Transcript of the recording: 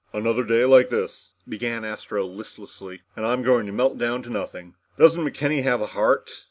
"Another day like this," began Astro listlessly, "and I'm going to melt down to nothing. Doesn't McKenny have a heart?"